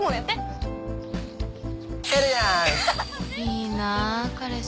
いいなぁ彼氏。